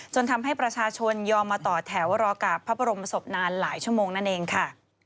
ทำให้ประชาชนยอมมาต่อแถวรอกราบพระบรมศพนานหลายชั่วโมงนั่นเองค่ะ